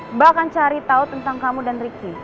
mbak akan cari tau tentang kamu dan riki